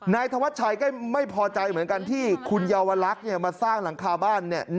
นายธวัชชัยก็ไม่พอใจเหมือนกันที่คุณเยาวลักษณ์มาสร้างหลังคาบ้าน